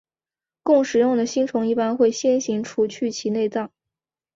供食用的星虫一般会先行除去其内脏。